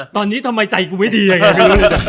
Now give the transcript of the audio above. ตอนนี้ทำไมใจกูไม่ดีอะไรอย่างนี้